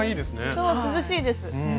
そう涼しいです。